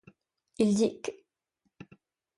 Il dit qu'.